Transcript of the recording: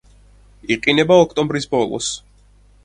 იყინება ოქტომბრის ბოლოს.